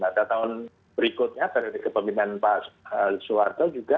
dan tahun berikutnya pada kepemimpinan pak soeharto juga